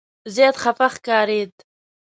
زیات خفه ښکارېد.